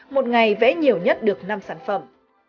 một ngày vẽ nhiều nhất được năm sản phẩm